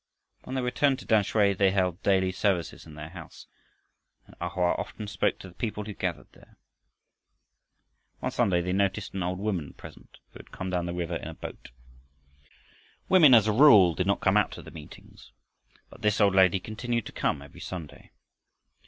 When they returned to Tamsui they held daily services in their house, and A Hoa often spoke to the people who gathered there. One Sunday they noticed an old woman present, who had come down the river in a boat. Women as a rule did not come out to the meetings, but this old lady continued to come every Sunday.